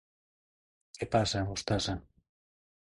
Què passa, mostassa!